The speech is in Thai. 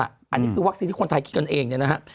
อันนี้คือวัคซีนที่คนไทยคิดกันเอง